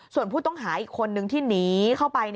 ส่วนผู้ต้องหาอีกคนนึงที่หนีเข้าไป